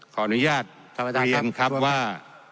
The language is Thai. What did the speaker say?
ขออนุญาตเรียนครับว่า